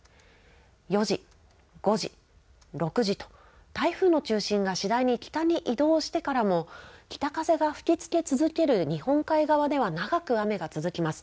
４時、５時、６時と、台風の中心が次第に北に移動してからも、北風が吹きつけ続ける日本海側では長く雨が続きます。